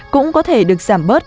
cũng có thể được giảm bớt